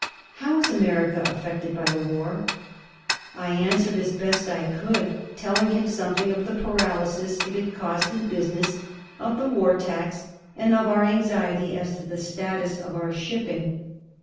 "How is America affected by the war?" I answered as best I could, telling him something of the paralysis it had caused in business, of the war tax, and of our anxiety as to the status of our shipping.